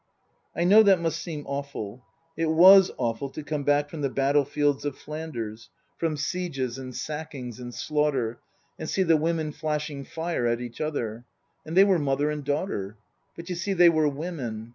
I know that must seem awful. It was awful to come back from the battlefields of Flanders, from sieges and Book III : His Book 331 sackings and slaughter, and see the women flashing fire at each other. And they were mother and daughter. But, you see, they were women.